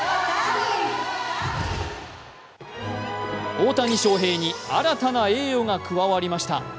大谷翔平に新たな栄誉が加わりました。